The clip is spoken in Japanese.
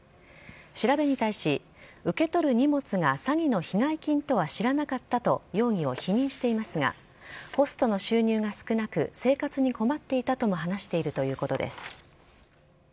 調べに対し、受け取る荷物が詐欺の被害金とは知らなかったと容疑を否認していますが、ホストの収入が少なく、生活に困っていたとも話しているということです。